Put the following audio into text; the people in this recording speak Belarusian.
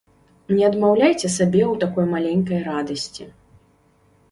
Не адмаўляйце сабе ў такой маленькай радасці.